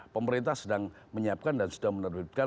pemerintah sedang menyiapkan dan sudah menerbitkan